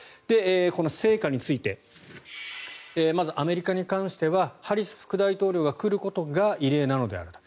この成果についてまずアメリカに関してはハリス副大統領が来ることが異例であると。